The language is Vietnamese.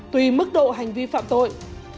tùy mức độ hành vi phạm tội